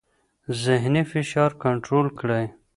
ذهني فشار کنټرول کړئ.